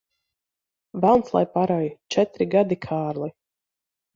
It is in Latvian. Velns lai parauj! Četri gadi, Kārli.